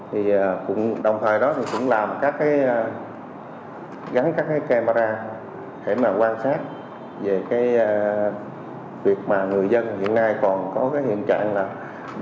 thì cũng đồng thời đó thì cũng làm các cái gắn các cái camera để mà quan sát về cái việc mà người dân hiện nay còn có cái hiện trạng là